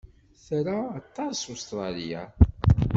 Tra aṭas Ustṛalya.